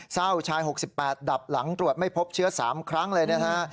ชาย๖๘ดับหลังตรวจไม่พบเชื้อ๓ครั้งเลยนะฮะ